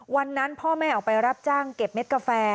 วันนั้นพ่อแม่ออกไปรับจ้างเก็บเม็ดกาแฟ